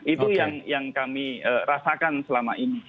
itu yang kami rasakan selama ini